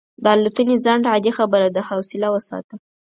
د الوتنې ځنډ عادي خبره ده، حوصله وساته.